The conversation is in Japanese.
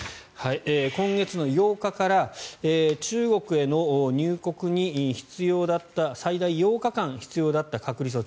今月８日から中国への入国に必要だった最大８日間必要だった隔離措置